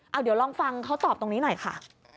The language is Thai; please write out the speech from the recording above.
เอาเดี๋ยวลองฟังเขาตอบตรงนี้หน่อยค่ะ